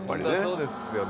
そうですよね。